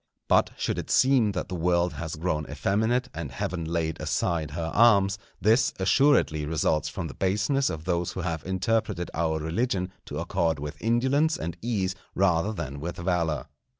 But should it seem that the world has grown effeminate and Heaven laid aside her arms, this assuredly results from the baseness of those who have interpreted our religion to accord with indolence and ease rather than with valour.